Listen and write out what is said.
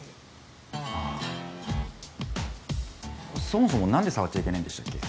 そもそも何で触っちゃいけないんでしたっけ？